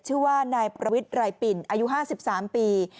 ชื่อว่านายประวิทย์ไรปิ่นอายุ๕๓ปี